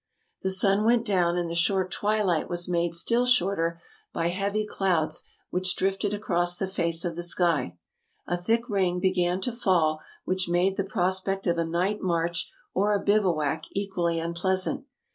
The sun went down, and the short twilight was made still shorter by heavy clouds which drifted across the face of the sky. A thick rain began to fall, which made the pros pect of a night march or a bivouac equally unpleasant.